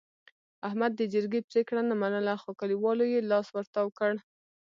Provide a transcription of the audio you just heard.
احمد د جرګې پرېګړه نه منله، خو کلیوالو یې لاس ورتاو کړ.